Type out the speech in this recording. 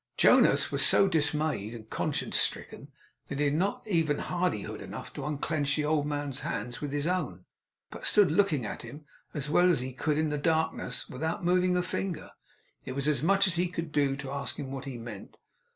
Jonas was so dismayed and conscience stricken, that he had not even hardihood enough to unclench the old man's hands with his own; but stood looking at him as well as he could in the darkness, without moving a finger. It was as much as he could do to ask him what he meant.